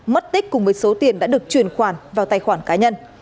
mất tích cùng với số tiền đã được chuyển khoản vào tài khoản cá nhân